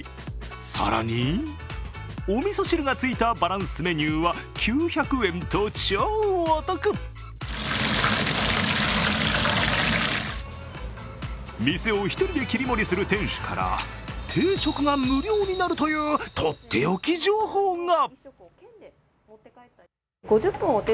更におみそ汁がついたバランスメニューは９００円と超お得店を１人で切り盛りする店主から定食が無料になるというとっておき情報が。